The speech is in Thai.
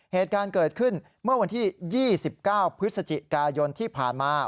เหตุการณ์เกิดขึ้นเมื่อวันที่๒๙พฤศจิกายนที่ผ่านมา